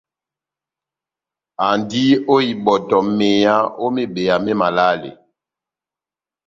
Andi ó ibɔtɔ meyá ó mebeya mé malale.